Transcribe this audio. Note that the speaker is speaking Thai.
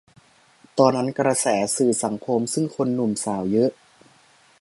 ตอนนั้นกระแสสื่อสังคม ซึ่งคนหนุ่มสาวเยอะ